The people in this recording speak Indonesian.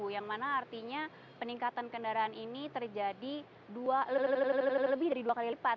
yang mana artinya peningkatan kendaraan ini terjadi lebih dari dua kali lipat